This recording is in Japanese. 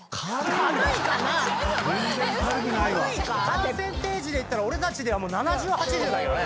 軽いかな⁉パーセンテージで言ったら俺たちではもう７０８０だけどね。